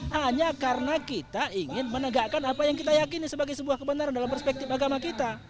hanya karena kita ingin menegakkan apa yang kita yakini sebagai sebuah kebenaran dalam perspektif agama kita